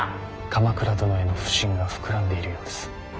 鎌倉殿への不信が膨らんでいるようです。